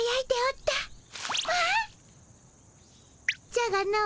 じゃがの。